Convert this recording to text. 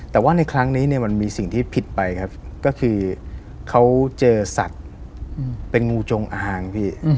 แต่ว่าในครั้งนี้เนี่ยมันมีสิ่งที่ผิดไปครับก็คือเขาเจอสัตว์เป็นงูจงอางพี่